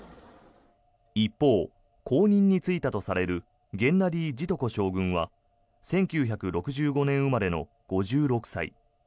一方、後任に就いたとされるゲンナディ・ジトコ将軍は１９６５年生まれの５６歳。